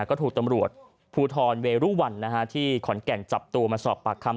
ก็ถูกตำรวจภูทรเวรุวันที่ขอนแก่นจับตัวมาสอบปากคำ